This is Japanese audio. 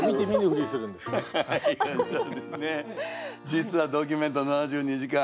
実は「ドキュメント７２時間」